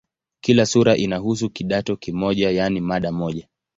Kila sura inahusu "kidato" kimoja, yaani mada moja.